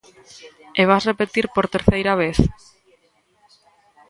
E vas repetir por terceira vez?